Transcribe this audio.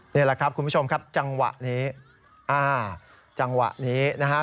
นี่แหละครับคุณผู้ชมครับจังหวะนี้อ่าจังหวะนี้นะฮะ